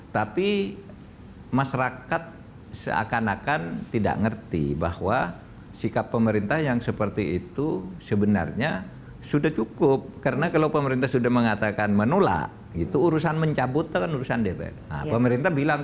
tapi masyarakat seakan akan tidak ngerti bahwa ekasila itu tidak masuk ke dalam peringkat pancasila